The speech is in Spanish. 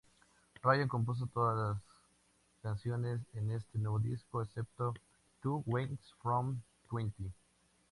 Ryan compuso todas las canciones en este nuevo disco excepto "Two Weeks from Twenty".